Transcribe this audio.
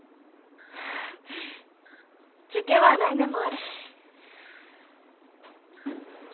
フフ受験は来年もあるし。